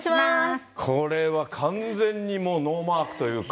これは完全にもうノーマークというか。